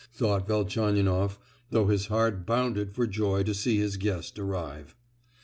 thought Velchaninoff, though his heart bounded for joy to see his guest arrive.